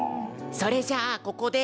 それじゃここで。